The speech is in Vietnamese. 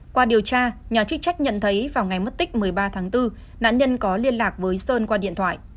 qua điều tra nhà chức trách nhận thấy vào ngày mất tích một mươi ba tháng bốn nạn nhân có liên lạc với sơn qua điện thoại